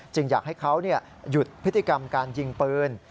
อยากให้เขาหยุดพฤติกรรมการยิงปืน